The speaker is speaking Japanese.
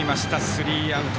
スリーアウト。